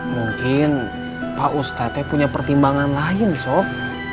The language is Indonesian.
mungkin pak ustede punya pertimbangan lain sob